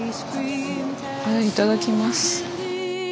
いただきます。